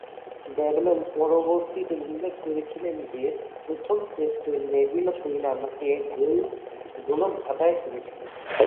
Bradman পরবর্তীকালে উল্লেখ করেছিলেন যে, প্রথমে টেস্টে নেভিল কুইন আমাকে গোলকধাঁধায় ফেলেছিল।